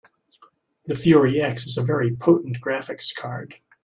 The Fury X is a very potent graphics card.